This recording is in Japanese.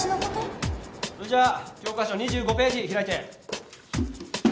それじゃ教科書２５ページ開いて。